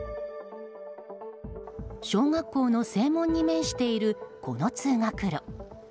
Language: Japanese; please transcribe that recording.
小学校の正門に面しているこの通学路。